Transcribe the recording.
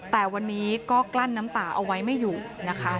แต่วันนี้ก็กลั้นน้ำตาเอาไว้ไม่อยู่นะคะ